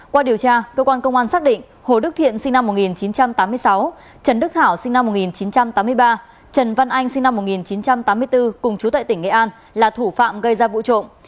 qua điều tra cơ quan công an xác định hồ đức thiện sinh năm một nghìn chín trăm tám mươi sáu trần đức thảo sinh năm một nghìn chín trăm tám mươi ba trần văn anh sinh năm một nghìn chín trăm tám mươi bốn cùng chú tại tỉnh nghệ an là thủ phạm gây ra vụ trộm